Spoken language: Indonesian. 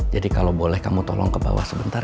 jadi kalau boleh kamu tolong kebawah sebentar